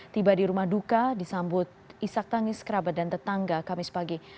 tiba di rumah duka disambut isak tangis kerabat dan tetangga kamis pagi